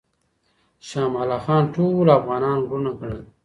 شاه امان الله خان ټول افغانان وروڼه ګڼل.